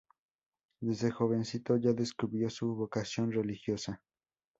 Desde jovencito ya descubrió su vocación religiosa.